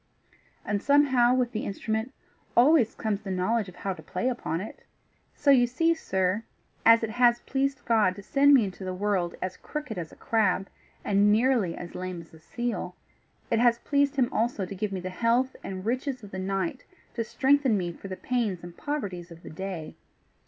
And somehow with the instrument always comes the knowledge of how to play upon it. So you see, sir, as it has pleased God to send me into the world as crooked as a crab, and nearly as lame as a seal, it has pleased him also to give me the health and riches of the night to strengthen me for the pains and poverties of the day.